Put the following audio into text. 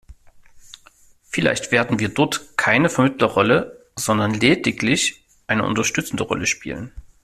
Vielleicht werden wir dort keine Vermittlerrolle, sondern lediglich eine unterstützende Rolle spielen.